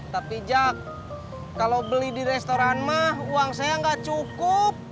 tapi jak kalau beli di restoran mah uang saya nggak cukup